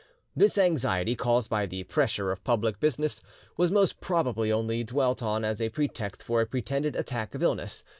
"This anxiety, caused by the pressure of public business, was most probably only dwelt on as a pretext for a pretended attack of illness.